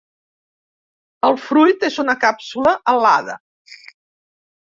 El fruit és una càpsula alada.